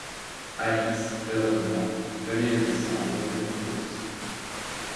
Alice, heureusement, venait de descendre, pour une course.